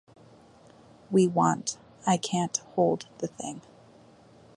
We want — I can’t hold the thing.